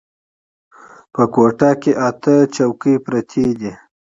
په کوټه کې اته کرسۍ پرتې دي.